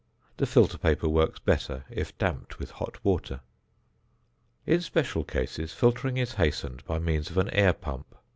The filter paper works better if damped with hot water. In special cases filtering is hastened by means of an air pump.